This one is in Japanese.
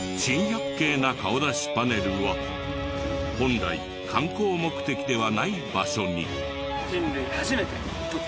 珍百景な顔出しパネルは本来観光目的ではない場所に。